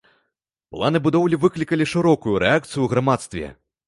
Планы будоўлі выклікалі шырокую рэакцыю ў грамадстве.